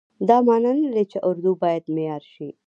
دا معنا نه لري چې اردو باید معیار شي.